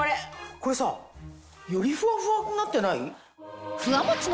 これさよりふわふわになってない？